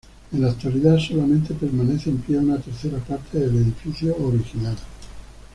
En la actualidad solamente permanece en pie una tercera parte del edificio original.